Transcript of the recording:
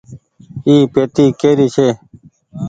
اي پيتي ڪيري ڇي